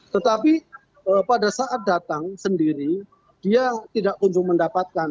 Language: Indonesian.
tetapi pada saat datang sendiri dia tidak kunjung mendapatkan